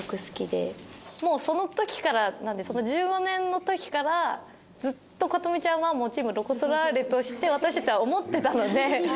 もうその時からなんでその１５年の時からずっと琴美ちゃんはもうチームロコ・ソラーレとして私たちは思ってたので。